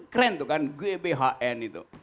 keren tuh kan gbhn itu